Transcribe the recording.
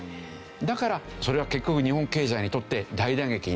だからそれは結局日本経済にとって大打撃になる。